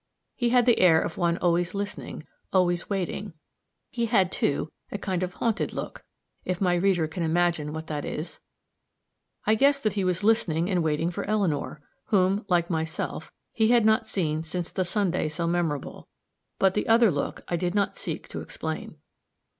He had the air of one always listening always waiting. He had, too, a kind of haunted look, if my reader can imagine what that is. I guessed that he was listening and waiting for Eleanor whom, like myself, he had not seen since the Sunday so memorable; but the other look I did not seek to explain.